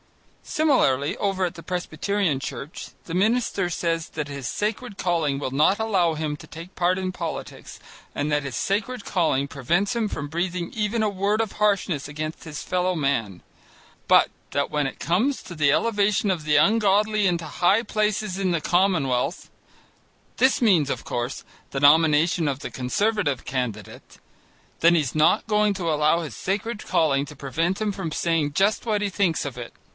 Similarly over at the Presbyterian Church, the minister says that his sacred calling will not allow him to take part in politics and that his sacred calling prevents him from breathing even a word of harshness against his fellow man, but that when it comes to the elevation of the ungodly into high places in the commonwealth (this means, of course, the nomination of the Conservative candidate) then he's not going to allow his sacred calling to prevent him from saying just what he thinks of it.